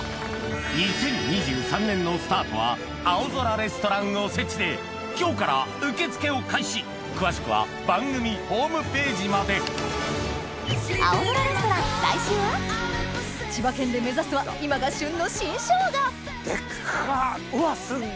２０２３年のスタートは青空レストランおせちで今日から受け付けを開始詳しくは番組ホームページまで千葉県で目指すは今が旬の新ショウガでかっ！